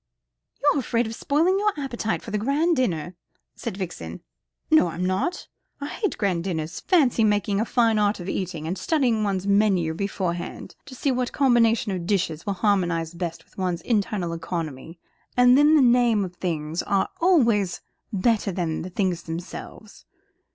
"You're afraid of spoiling your appetite for the grand dinner," said Vixen. "No, I'm not. I hate grand dinners. Fancy making a fine art of eating, and studying one's menu beforehand to see what combination of dishes will harmonise best with one's internal economy. And then the names of the things are always better than the things themselves.